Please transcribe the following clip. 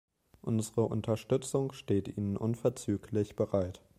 Unsere Unterstützung steht Ihnen unverzüglich bereit.